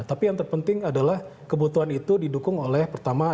tapi yang terpenting adalah kebutuhan itu didukung oleh pertama